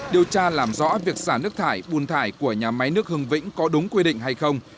điều tra làm rõ việc xả nước thải bùn thải của nhà máy nước hưng vĩnh có đúng quy định hay không